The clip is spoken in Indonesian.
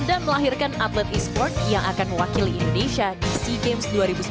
dan melahirkan atlet esports yang akan mewakili indonesia di sea games dua ribu sembilan belas